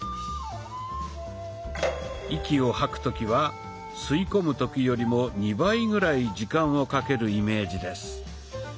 息を吐く時は吸い込む時よりも２倍ぐらい時間をかけるイメージです。